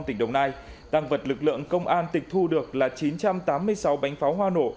tỉnh đồng nai tăng vật lực lượng công an tịch thu được là chín trăm tám mươi sáu bánh pháo hoa nổ